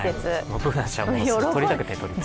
Ｂｏｏｎａちゃんもとりたくて、とりたくて。